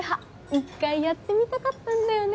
一回やってみたかったんだよね。